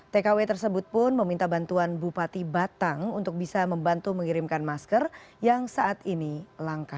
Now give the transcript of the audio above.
tkw tersebut pun meminta bantuan bupati batang untuk bisa membantu mengirimkan masker yang saat ini langka